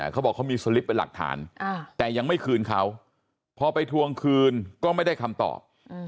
เขาบอกเขามีสลิปเป็นหลักฐานแต่ยังไม่คืนเขาพอไปทวงคืนก็ไม่ได้คำตอบ